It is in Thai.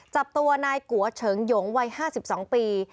จับตัวนายกัวเฉิงหยงวัย๕๒ปี